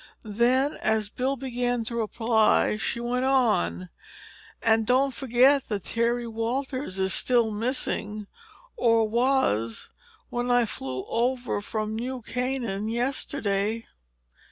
Then, as Bill began to reply, she went on: "And don't forget that Terry Walters is still missing—or was, when I flew over from New Canaan yesterday!"